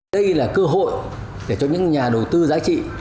đây là cơ hội để cho những nhà đầu tư giá trị